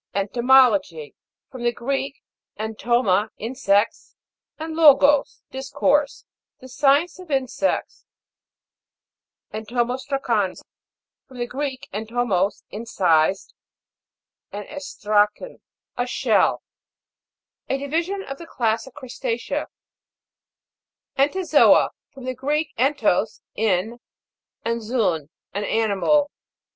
ENTOMO'LOGY. From the Greek, entoma, insects, and logos, dis course. The science of insects. EN'TOMO'STRACANS. From the Greek, entomos, incised, and oslrakon, a ENTOMOLOGY. GLOSSARY. 115 shell. A division of the class of Crusta'cea. ENTOZO'A. From the Greek, entos, in, and 200/1, an animal.